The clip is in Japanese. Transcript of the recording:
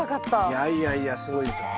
いやいやいやすごいですよ。